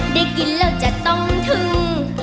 ได้กินแล้วจะต้องทึ่ง